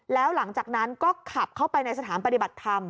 แล้วหลังจากนั้นก็ขับเข้าไปในสถานปฏิบัติธรรม